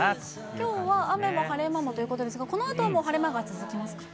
きょうは雨も晴れ間もということですが、このあとはもう晴れ間が続きますか？